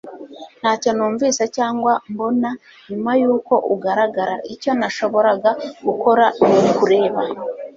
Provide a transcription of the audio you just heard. ntacyo numvise cyangwa mbona nyuma yuko ugaragara, icyo nashoboraga gukora nukureba